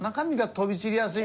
飛び散りやすい。